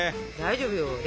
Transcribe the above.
大丈夫よ。